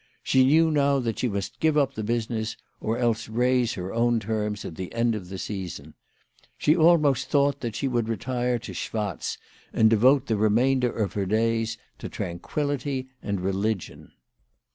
She knew now that she must give up the business, or else raise her own terms at the end of the season. She almost thought that she would retire to Schwatz and devote the remainder of her days to tranquillity and religion.